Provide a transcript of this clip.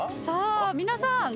さあ皆さん